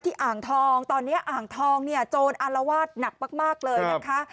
อ่างทองตอนนี้อ่างทองเนี่ยโจรอรวาสหนักมากเลยนะคะ